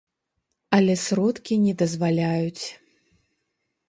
Але сродкі не дазваляюць.